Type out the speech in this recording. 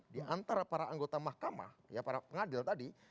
diantara para anggota mahkamah ya para pengadil tadi